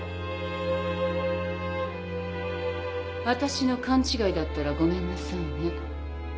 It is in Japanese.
私の勘違いだったらごめんなさいね